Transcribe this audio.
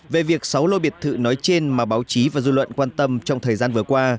về việc sáu lô biệt thự nói trên mà báo chí và dư luận quan tâm trong thời gian vừa qua